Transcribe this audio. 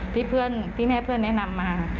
เพื่อนที่แม่เพื่อนแนะนำมา